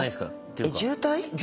「渋滞？